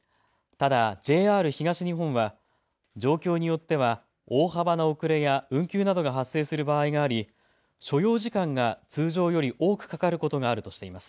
ただＪＲ東日本は状況によっては大幅な遅れや運休などが発生する場合があり、所要時間が通常より多くかかることがあるとしています。